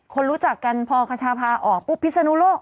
คนรู้จักกันพอคชาพาออกปุ๊บพิศนุโลก